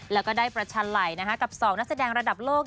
แล้วก็ได้ประชันไหล่กับ๒นักแสดงระดับโลก